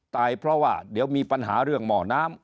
ตายเพราะว่าเดี๋ยวมีปัญหาเรื่องหม้อน้ำ